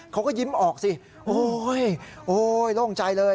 เขาก็ยิ้มออกสิโอ๊ยโอ้ยโล่งใจเลย